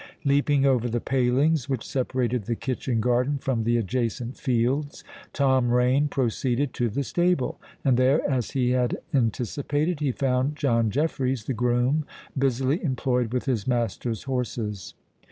Leaping over the palings which separated the kitchen garden from the adjacent fields, Tom Rain proceeded to the stable; and there, as he had anticipated, he found John Jeffreys, the groom, busily employed with his master's horses.